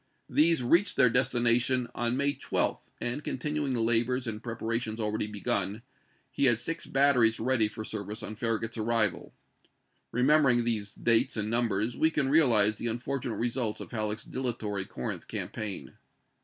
These reached their destination HAJLLECK'S CORINTH CAMPAIGN 347 on May 12, and continuing the labors and prepara chap.xix. tions already begun, he had six batteries ready for service on Farragut's arrival. Remembering these dates and numbers, we can realize the unfortunate results of Halleck's dilatory Corinth campaign.